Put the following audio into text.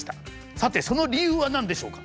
さてその理由は何でしょうか？